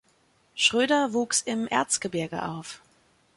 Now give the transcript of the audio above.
Schröder wuchs im Erzgebirge auf.